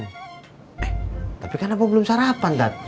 eh tapi kan abang belum sarapan dad